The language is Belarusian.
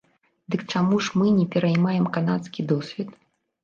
Дык чаму ж мы не пераймаем канадскі досвед?